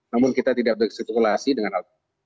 namun kita tidak bersekutulasi dengan alat